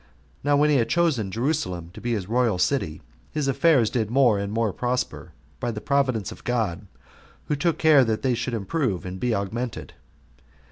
Now when he had chosen Jerusalem to be his royal city, his affairs did more and more prosper, by the providence of God, who took care that they should improve and be augmented.